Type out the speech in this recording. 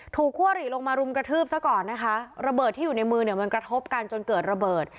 คั่วหรี่ลงมารุมกระทืบซะก่อนนะคะระเบิดที่อยู่ในมือเนี่ยมันกระทบกันจนเกิดระเบิด